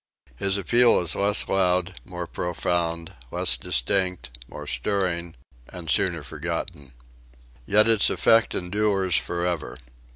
His appeal is less loud, more profound, less distinct, more stirring and sooner forgotten. Yet its effect endures forever.